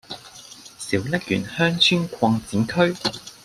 小瀝源鄉村擴展區